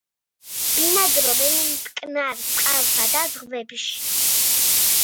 ბინადრობენ მტკნარ წყალსა და ზღვაში.